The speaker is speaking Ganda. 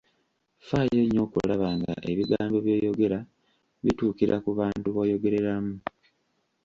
Faayo nnyo okulaba nga ebigambo by'oyogera bituukira ku bantu b'oyogerera mu.